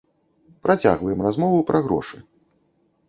Працягваем размову пра грошы.